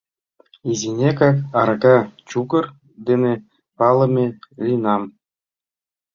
Изинекак арака чукыр дене палыме лийынам.